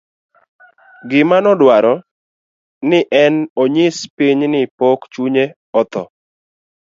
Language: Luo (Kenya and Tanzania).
gimanoduaro ne en ni onyis piny ni pok chunye obotho